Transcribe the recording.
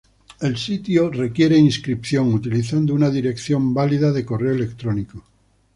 El sitio requiere inscripción utilizando una dirección válida de correo electrónico.